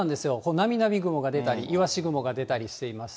なみなみ雲が出たり、イワシ雲が出たりしています。